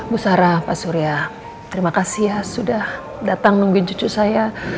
bu sarah pak surya terima kasih ya sudah datang nungguin cucu saya